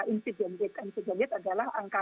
insiden rate adalah angka